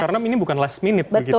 karena ini bukan last minute begitu ya